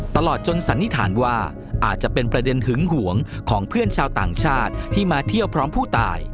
ตลอดจนสันนิษฐานว่าอาจจะเป็นประเด็นหึงหวงของเพื่อนชาวต่างชาติที่มาเที่ยวพร้อมผู้ตาย